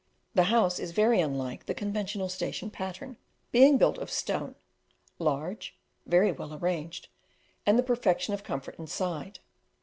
The house is very unlike the conventional station pattern, being built of stone, large, very well arranged, and the perfection of comfort inside.